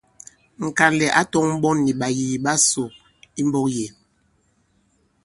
Ŋ̀kànlɛ̀ ǎ tɔ̄ŋ ɓɔ̌n nì ɓàyìì ɓa ŋ̀kɔ̀ŋ ɓasò imbɔ̄k yě.